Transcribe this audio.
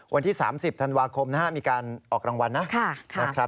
วันที่๓๐ธันวาคมมีการออกรางวัลนะครับ